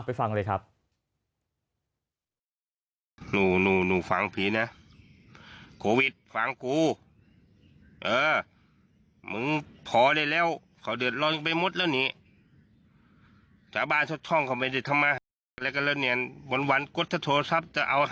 ฟังเลยครับ